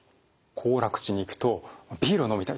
行楽地に行くとビールを飲みたいと。